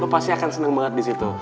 lo pasti akan seneng banget disitu